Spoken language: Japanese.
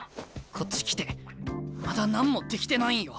こっち来てまだ何もできてないんよ。